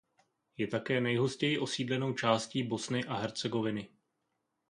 Je také nejhustěji osídlenou částí Bosny a Hercegoviny.